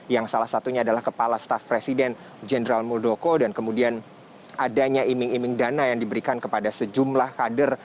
yang salah satunya adalah kepala staf presiden jenderal muldoko dan kemudian adanya iming iming dana yang diberikan kepada sejumlah kader